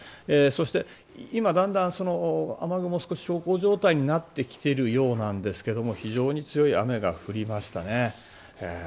そして、今だんだん雨雲は少し小康状態になってきているようなんですが非常に強い雨が降りましたね。